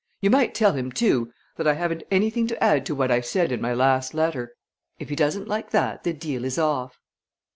You might tell him, too, that I haven't anything to add to what I said in my last letter. If he doesn't like that, the deal is off."